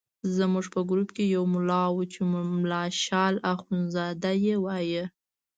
زموږ په ګروپ کې یو ملا وو چې ملا شال اخندزاده یې وایه.